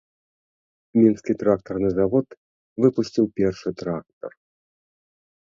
Мінскі трактарны завод выпусціў першы трактар.